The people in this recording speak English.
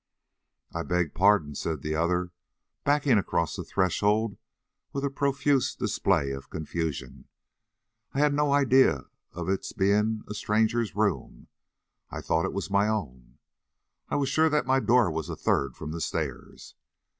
"I beg pardon," said the other, backing across the threshold, with a profuse display of confusion. "I had no idea of its being a stranger's room. I thought it was my own. I I was sure that my door was the third from the stairs.